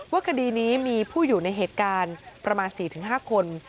คดีนี้มีผู้อยู่ในเหตุการณ์ประมาณ๔๕คน